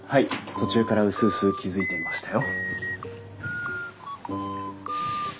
途中からうすうす気付いていましたよ。